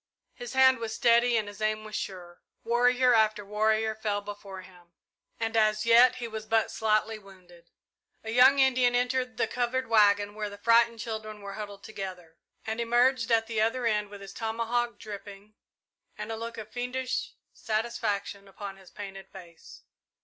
His hand was steady and his aim was sure. Warrior after warrior fell before him, and as yet he was but slightly wounded. A young Indian entered the covered waggon where the frightened children were huddled together, and emerged at the other end with his tomahawk dripping and a look of fiendish satisfaction upon his painted face.